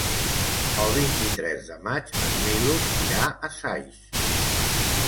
El vint-i-tres de maig en Milos irà a Saix.